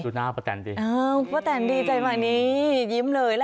เออคล้ายวะตังสั้นวะถังสั่นวะขือยู